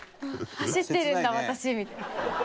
走ってるんだ私みたいな。